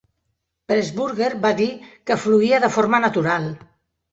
Pressburger va dir que fluïa de forma natural.